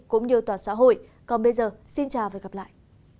cũng như toàn xã hội còn bây giờ xin chào và hẹn gặp lại